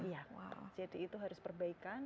iya jadi itu harus perbaikan